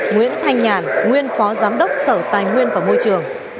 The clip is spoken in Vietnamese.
nguyễn thanh nhàn nguyên phó giám đốc sở tài nguyên và môi trường